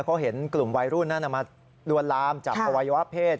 เขาเห็นกลุ่มวัยรุ่นนั้นมาลวนลามจับอวัยวะเพศ